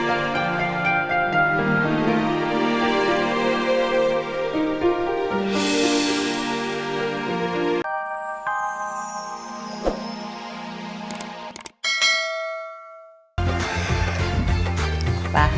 kepala bung su